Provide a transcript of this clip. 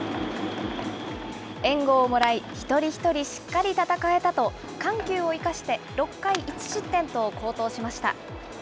援護をもらい、一人一人しっかり戦えたと、緩急を生かして６回１失点と好投しました。